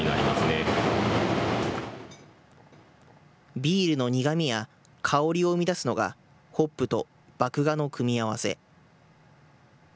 ビールの苦みや香りを生み出すのが、ホップと麦芽の組み合わせ。